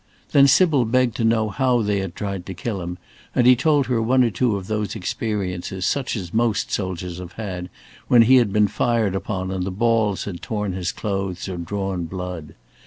Then Sybil begged to know how they had tried to kill him, and he told her one or two of those experiences, such as most soldiers have had, when he had been fired upon and the balls had torn his clothes or drawn blood.